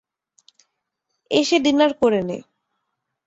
এসে ডিনার করে নে।